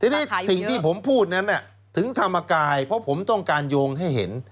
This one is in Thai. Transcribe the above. ทีนี้สิ่งที่ผมพูดนั้นถึงธรรมกายเพราะผมต้องการโยงให้เห็น